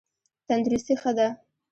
تندرستي ښه ده.